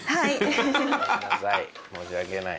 申し訳ない。